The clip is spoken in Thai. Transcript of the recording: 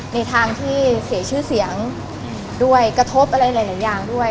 ในทางที่เสียชื่อเสียงด้วยกระทบอะไรหลายอย่างด้วย